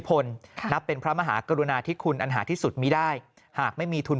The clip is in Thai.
พลนับเป็นพระมหากรุณาที่คุณอันหาที่สุดมีได้หากไม่มีทุน